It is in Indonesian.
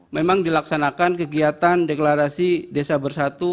memang dilaksanakan kegiatan deklarasi desa bersatu